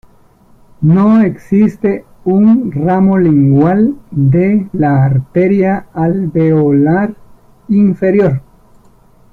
No existe un "ramo lingual" de la "arteria alveolar inferior".